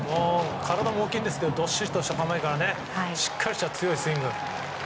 体も大きいんですけどどっしりした構えからしっかりした強いスイング。